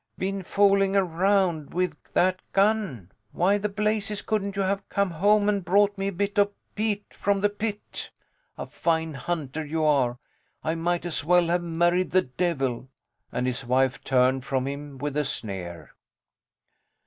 Been fooling around with that gun! Why the blazes couldn't you have come home and brought me a bit of peat from the pit? A fine hunter you are! I might as well have married the devil. And his wife turned from him with a sneer.